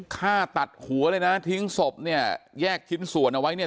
ฆ่าตัดหัวเลยนะทิ้งศพเนี่ยแยกชิ้นส่วนเอาไว้เนี่ย